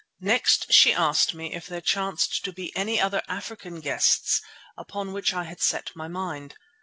Next she asked me if there chanced to be any other African quests upon which I had set my mind.